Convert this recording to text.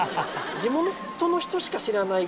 地元の人しか知らない。